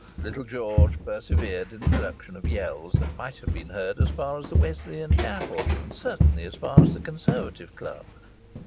Little Georgie persevered in the production of yells that might have been heard as far as the Wesleyan Chapel, and certainly as far as the Conservative Club.